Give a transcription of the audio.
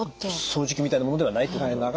掃除機みたいなものではないってことですね？